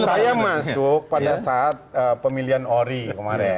saya masuk pada saat pemilihan ori kemarin